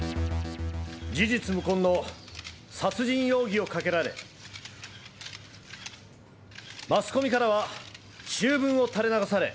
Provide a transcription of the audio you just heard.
事実無根の殺人容疑をかけられマスコミからは醜聞を垂れ流され。